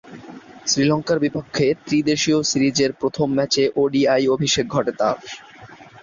শ্রীলঙ্কার বিপক্ষে ত্রিদেশীয় সিরিজের প্রথম ম্যাচে ওডিআই অভিষেক ঘটে তার।